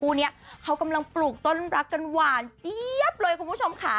คู่นี้เขากำลังปลูกต้นรักกันหวานเจี๊ยบเลยคุณผู้ชมค่ะ